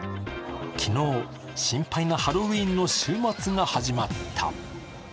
昨日、心配なハロウィーンの週末が始まった。